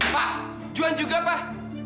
pak juan juga pak